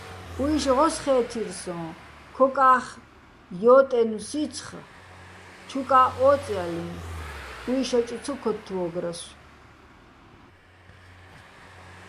უჲშ ღოსხე́თირ სოჼ, ქოკა́ხ ჲო́ტენო̆ სიცხ ჩუკა́ჸ ო́წჲალირ, უჲშაჭ ცო ქოთთვო́გრასო̆.